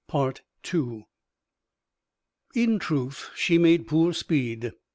II In truth she made poor speed.